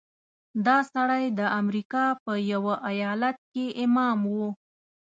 دا سړی د امریکا په یوه ایالت کې امام و.